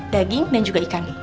daging dan juga ikan